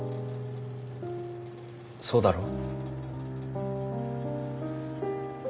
そうだろ？